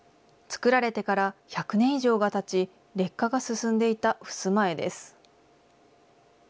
作られてから１００年以上がたち、劣化が進んでいたふすま絵です。